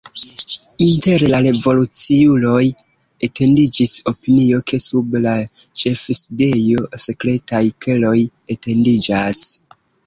Inter la revoluciuloj etendiĝis opinio, ke sub la ĉefsidejo sekretaj keloj etendiĝas.